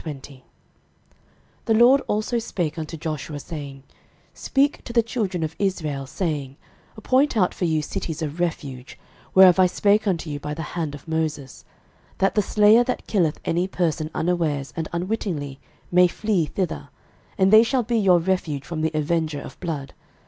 06:020:001 The LORD also spake unto Joshua, saying, 06:020:002 Speak to the children of Israel, saying, Appoint out for you cities of refuge, whereof I spake unto you by the hand of Moses: 06:020:003 That the slayer that killeth any person unawares and unwittingly may flee thither: and they shall be your refuge from the avenger of blood.